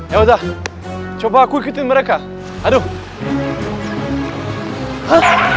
ya udah coba aku ikutin mereka aduh